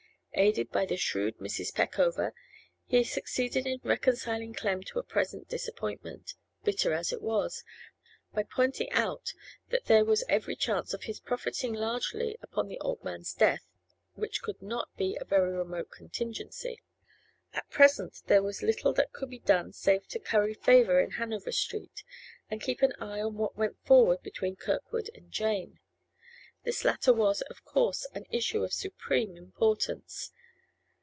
Aided by the shrewd Mrs. Peckover, he succeeded in reconciling Clem to a present disappointment, bitter as it was, by pointing out that there was every chance of his profiting largely upon the old man's death, which could not be a very remote contingency. At present there was little that could be done save to curry favour in Hanover Street, and keep an eye on what went forward between Kirkwood and Jane. This latter was, of course, an issue of supreme importance.